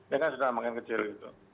ini kan sudah makin kecil gitu